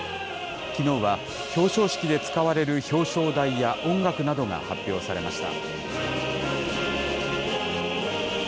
きのうは表彰式で使われる表彰台や音楽などが発表されました。